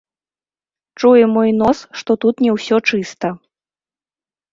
Чуе мой нос, што тут не ўсё чыста.